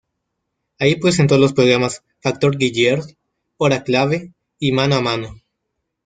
Ahí presentó los programas "Factor Guillier", "Hora clave" y "Mano a mano".